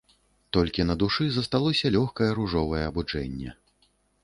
Толькі на душы засталося лёгкае, ружовае абуджэнне.